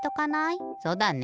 そうだね。